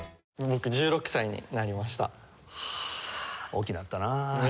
大きくなったなあ。